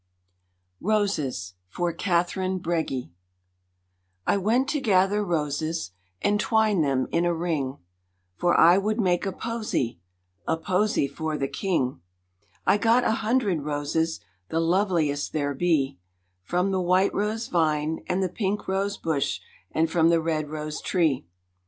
Roses (For Katherine Bregy) I went to gather roses and twine them in a ring, For I would make a posy, a posy for the King. I got an hundred roses, the loveliest there be, From the white rose vine and the pink rose bush and from the red rose tree.